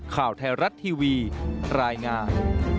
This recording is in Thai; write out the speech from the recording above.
ข่าวไทยรัฐทีวีรายงาน